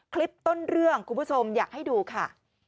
คลิปต้นเรื่องคุณผู้ชมอยากให้ดูค่ะ